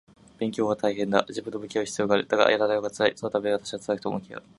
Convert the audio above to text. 勉強は大変だ。自分と向き合う必要がある。だが、やらないほうが辛い。そのため私は辛くても向き合う